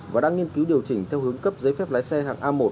và đã nghiên cứu điều chỉnh theo hướng cấp giấy phép lái xe hạng a một